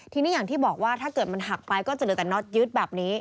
ทีนี้อย่างที่บอกว่าถ้าเกิดมันหักไปก็จะเหลือแต่น็อตยึดแบบนี้